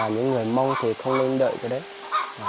những người mông thì không nên đợi cái đấy